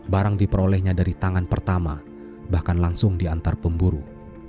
barang diperolehnya dari tangan pertama bahkan langsung diantar pemburu